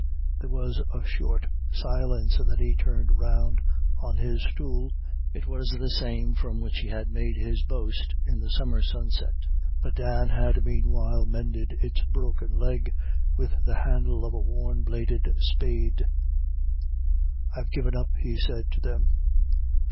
There was a short silence, and then he turned round on his stool it was the same from which he had made his boast in the summer sunset, but Dan had meanwhile mended its broken leg with the handle of a worn bladed spade. "I've given up," he said to them.